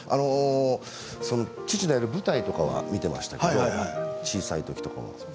父のやる舞台とかは見ていましたけれども小さいときとか。